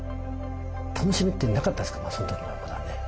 楽しみってなかったですからそん時はまだね。